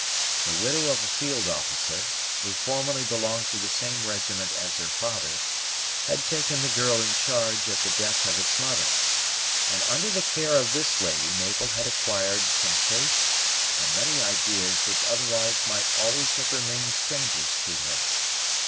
The widow of a field officer, who formerly belonged to the same regiment as her father, had taken the child in charge at the death of its mother; and under the care of this lady Mabel had acquired some tastes and many ideas which otherwise might always have remained strangers to her.